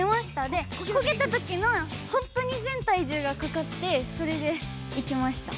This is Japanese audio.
でこけたときのほんとに全体重がかかってそれでいきました。